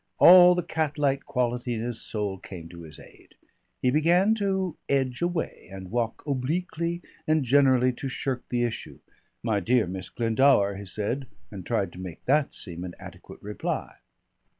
All the catlike quality in his soul came to his aid. He began to edge away, and walk obliquely and generally to shirk the issue. "My dear Miss Glendower," he said, and tried to make that seem an adequate reply.